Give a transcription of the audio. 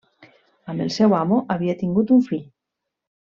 Amb el seu amo havia tingut un fill.